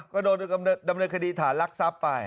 ก็โดนดำเนินคดีฐานรักทรัพย์ไป